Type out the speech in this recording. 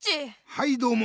はいどうも。